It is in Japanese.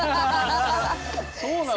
そうなのよ。